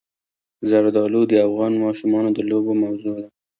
زردالو د افغان ماشومانو د لوبو موضوع ده.